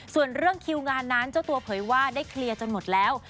ส่วนเรื่องคิวงานนั้นเจ้าตัวเผยว่าได้เคลียร์จนหมดแล้ว